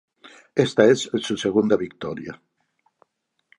Esta es su segunda victoria.